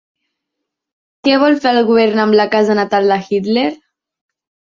Què vol fer el govern amb la casa natal de Hitler?